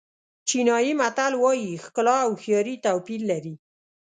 چینایي متل وایي ښکلا او هوښیاري توپیر لري.